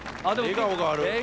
笑顔ある。